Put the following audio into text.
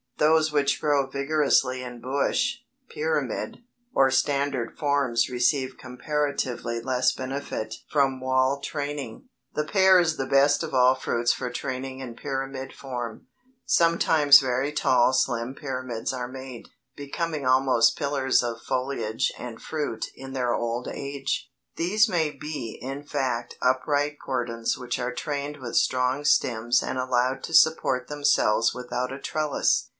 Those which grow vigorously in bush, pyramid, or standard forms receive comparatively less benefit from wall training. [Illustration: FIG. 29 DWARF PEARS IN THE OLD AND PROFITABLE YEOMANS ORCHARD, NEW YORK] The pear is the best of all trees for training in pyramid form. Sometimes very tall slim pyramids are made, becoming almost pillars of foliage and fruit in their old age. These may be in fact upright cordons which are trained with strong stems and allowed to support themselves without a trellis.